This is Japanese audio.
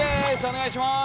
お願いします。